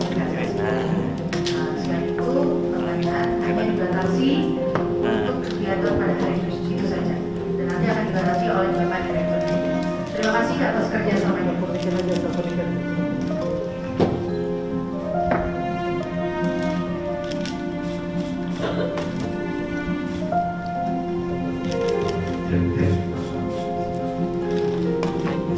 kami menyampaikan bahwa pada resipi hari ini